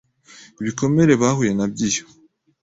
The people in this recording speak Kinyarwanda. ibikomere bahuye nabyo iyo